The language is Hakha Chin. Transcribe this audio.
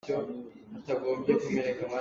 Naam in sa kan can.